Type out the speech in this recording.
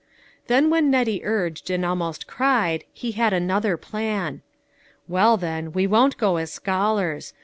Then when Nettie urged and almost cried, he had another plan :" Well, then, we won't go as scholars.